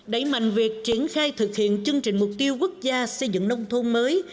đẩy mạnh việc triển khai thực hiện chương trình mục tiêu quốc gia xây dựng nông thôn mới